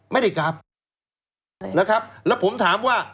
ไม่ได้กลับนะครับแล้วผมถามว่า